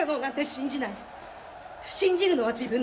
信じるのは自分だけ。